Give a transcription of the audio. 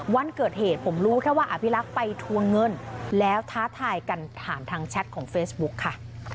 วันเกิดเหตุผมรู้แค่ว่าอภิรักษ์ไปทวงเงินแล้วท้าทายกันผ่านทางแชทของเฟซบุ๊กค่ะ